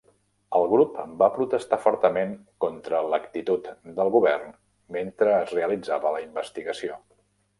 El grup va protestar fortament contra l"actitud del Govern mentre es realitzava la investigació.